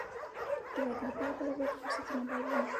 د ودې لپاره برابر فرصتونه باید وي.